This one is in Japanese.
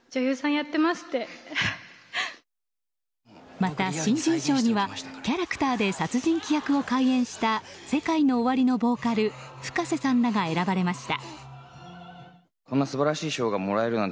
また、新人賞には「キャラクター」で殺人鬼役を怪演したＳＥＫＡＩＮＯＯＷＡＲＩのボーカル、Ｆｕｋａｓｅさんらが選ばれました。